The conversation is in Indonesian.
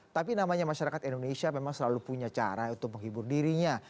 tapi namanya masyarakat indonesia memang selalu punya cara untuk menghibur dirinya